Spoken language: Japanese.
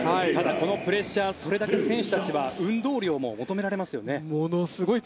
このプレッシャーでそれだけ選手たちは運動量も求められますね。